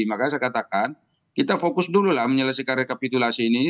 makanya saya katakan kita fokus dulu lah menyelesaikan rekapitulasi ini